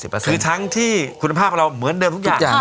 คือทั้งที่คุณภาพเราเหมือนเดิมทุกอย่าง